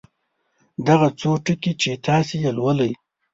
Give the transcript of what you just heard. دغه څو ټکي چې تاسې یې لولئ.